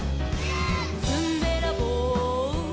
「ずんべらぼう」「」